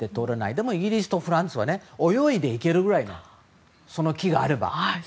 でもイギリスとフランスは泳いでいけるぐらいのその気があれば。